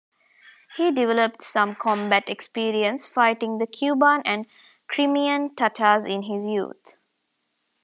He developed some combat experience fighting the Kuban and Crimean Tatars in his youth.